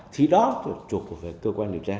thì đó trụt về cơ quan điều tra